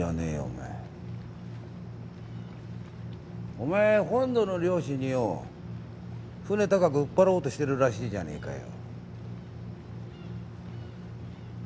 お前本土の漁師によ船高く売っ払おうとしてるらしいじゃねえかよ。